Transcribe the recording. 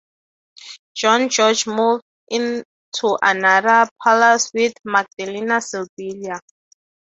John George moved into another palace with Magdalena Sybilla.